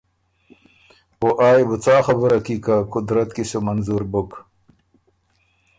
او آ يې بو څا خبُره کی که قدرت کی سو منظور بُک۔